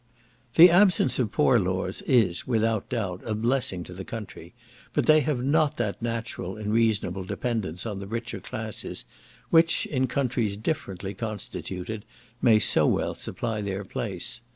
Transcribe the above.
The absence of poor laws is, without doubt, a blessing to the country, but they have not that natural and reasonable dependence on the richer classes which, in countries differently constituted, may so well supply their place.